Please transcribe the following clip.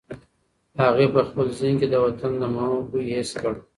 هغې په خپل ذهن کې د وطن د مڼو بوی حس کړ.